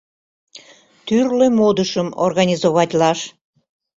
— Тӱрлӧ модышым организоватлаш.